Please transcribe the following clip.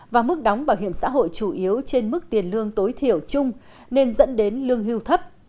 và mức đóng bảo hiểm xã hội chủ yếu trên mức tiền lương tối thiểu chung nên dẫn đến lương hưu thấp